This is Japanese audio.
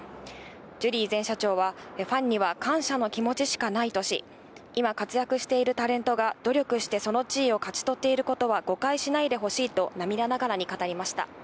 ジュリー前社長はファンには感謝の気持ちしかないとし、今活躍しているタレントが努力してその地位を勝ち取っていることは誤解しないでほしいと涙ながらに語りました。